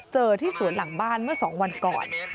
เจอที่สวนหลังบ้านเมื่อ๒วันก่อน